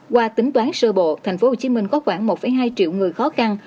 qua tính toán sơ bộ tp hcm có khoảng một hai triệu người khó khăn